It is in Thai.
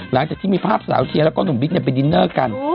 หลังจากที่มีภาพสาวเชียร์แล้วก็หนุ่มบิ๊กไปดินเนอร์กัน